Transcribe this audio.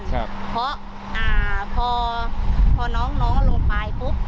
เพราะพอพอน้องน้องลงไปปุ๊บ